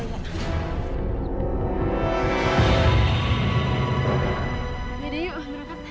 yaudah yuk berangkat eh